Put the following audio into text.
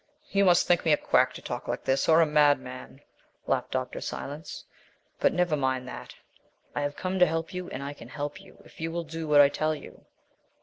"You must think me a quack to talk like this, or a madman," laughed Dr. Silence. "But never mind that. I have come to help you, and I can help you if you will do what I tell you.